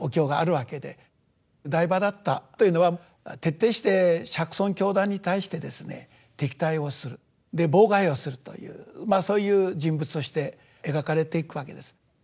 提婆達多というのは徹底して釈尊教団に対してですね敵対をするで妨害をするというまあそういう人物として描かれていくわけです。